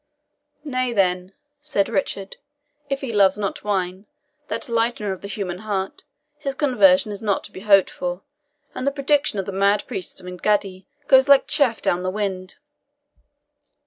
"Nay, then," said Richard, "if he loves not wine, that lightener of the human heart, his conversion is not to be hoped for, and the prediction of the mad priest of Engaddi goes like chaff down the wind."